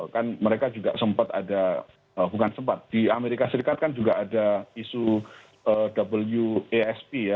kan mereka juga sempat ada bukan sempat di amerika serikat kan juga ada isu wsp ya